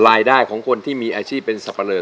รายได้ของคนที่มีอาชีพเป็นสรรพาณฤทธิ์